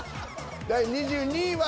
第２２位は。